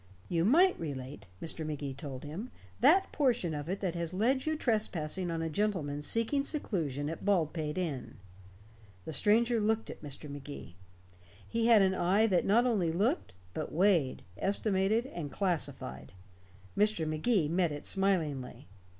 "You might relate," Mr. Magee told him, "that portion of it that has led you trespassing on a gentleman seeking seclusion at Baldpate Inn." The stranger looked at Mr. Magee. He had an eye that not only looked, but weighed, estimated, and classified. Mr. Magee met it smilingly.